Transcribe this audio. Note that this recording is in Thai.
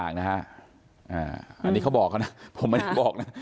อันนี้เขาบอกนะผมเป็นคนบอกนะ